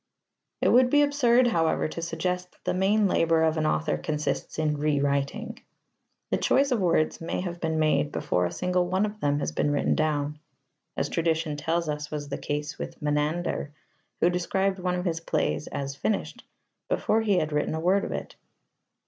It would be absurd, however, to suggest that the main labour of an author consists in rewriting. The choice of words may have been made before a single one of them has been written down, as tradition tells us was the case with Menander, who described one of his plays as "finished" before he had written a word of it.